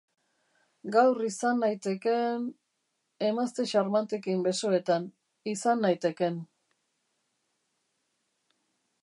Gaur izan naiteken... emazte xarmantekin besoetan, izan naiteken.